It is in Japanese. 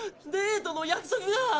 デートの約束が。